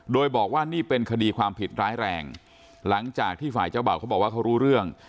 โดยบอกว่านี่เป็นคดีความผิดร้ายแรงหลังจากที่ฝ่ายเจ้าบ่าวเขาบอกว่าเขารู้เรื่อง